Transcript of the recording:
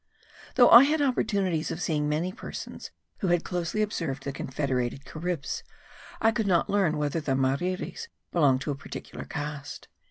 Though I had opportunities of seeing many persons who had closely observed the confederated Caribs, I could not learn whether the marirris belong to a particular caste.